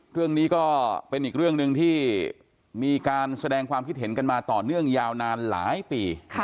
เรื่องนี้ก็เป็นอีกเรื่องหนึ่งที่มีการแสดงความคิดเห็นกันมาต่อเนื่องยาวนานหลายปี